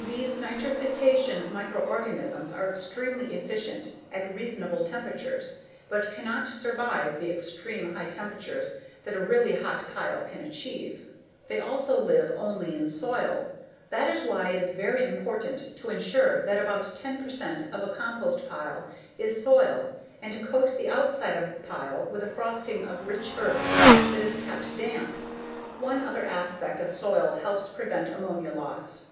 These nitrification microorganisms are extremely efficient at reasonable temperatures but cannot survive the extreme high temperatures that a really hot pile can achieve. They also live only in soil. That is why it is very important to ensure that about 10 percent of a compost pile is soil and to coat the outside of a pile with a frosting of rich earth that is kept damp. One other aspect of soil helps prevent ammonia loss.